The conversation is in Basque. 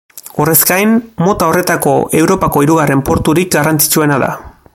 Horrez gain, mota horretako Europako hirugarren porturik garrantzitsuena da.